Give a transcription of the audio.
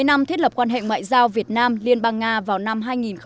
bảy mươi năm thiết lập quan hệ ngoại giao việt nam liên bang nga vào năm hai nghìn hai mươi